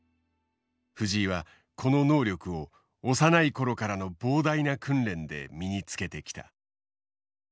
藤井はこの能力を幼い頃からの膨大な訓練で身につけてきた。